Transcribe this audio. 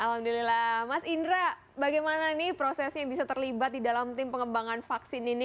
alhamdulillah mas indra bagaimana nih prosesnya bisa terlibat di dalam tim pengembangan vaksin ini